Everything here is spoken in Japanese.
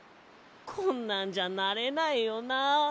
こんなんじゃなれないよな。